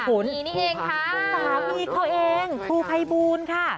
สามีนี่เองค่ะสามีเขาเองครูไคบูลค่ะ